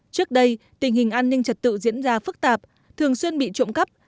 trước đây tình hình an ninh trật tự diễn ra phức tạp thường xuyên bị trộm cắp